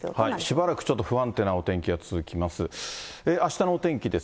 しばらくちょっと不安定なお天気が続きます。